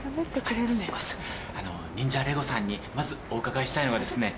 ニンジャレゴさんにまずお伺いしたいのがですね